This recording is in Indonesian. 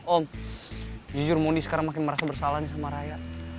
oh jujur mondi sekarang makin merasa bersalah nih sama raya